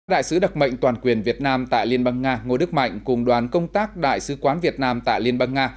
đại sứ đặc mệnh toàn quyền việt nam tại liên bang nga ngô đức mạnh cùng đoàn công tác đại sứ quán việt nam tại liên bang nga